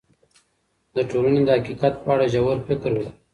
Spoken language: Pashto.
د ټولنې د حقیقت په اړه ژور فکر وکړئ.